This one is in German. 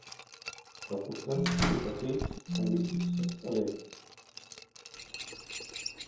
Doch Russland blieb für Tietz sein wichtigstes Erlebnis.